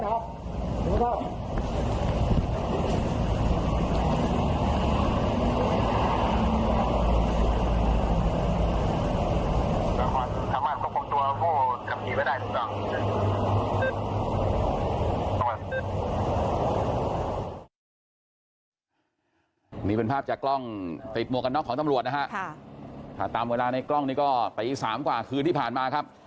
อันนี้เป็นภาพจากกล้องของตำรวจของตำรวจนะฮะครับ